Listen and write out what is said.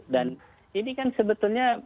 dan ini kan sebetulnya